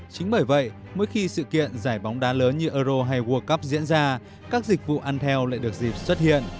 chính bởi vậy mỗi khi sự kiện giải bóng đá lớn như euro hay world cup diễn ra các dịch vụ ăn theo lại được dịp xuất hiện